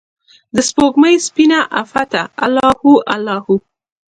دسپوږمۍ سپینه عفته الله هو، الله هو